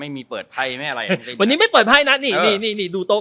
ไม่มีเปิดไพ่ไม่อะไรวันนี้ไม่เปิดไพ่นะนี่นี่นี่ดูโต๊ะ